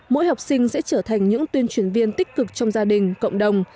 mỗi học sinh sẽ trở thành những tuyên truyền viên tích cực trong gia đình cộng đồng